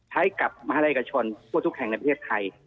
ให้กับมหาลัยเอกชนทั่วทุกแห่งในประเทศไทย